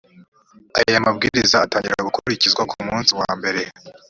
aya mabwiriza atangira gukurikizwa ku umunsi wa mbere